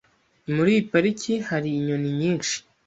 Muri iyi pariki hari inyoni nyinshi.